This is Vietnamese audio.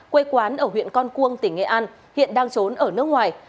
quê quán ở huyện con cuông tỉnh nghệ an hiện đang trốn ở nước ngoài